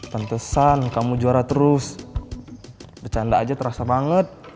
tentesan kamu juara terus bercanda aja terasa banget